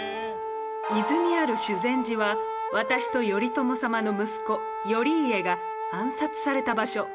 伊豆にある修禅寺は私と頼朝様の息子頼家が暗殺された場所。